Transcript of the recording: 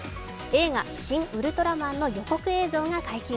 映画「シン・ウルトラマン」の予告映像が解禁。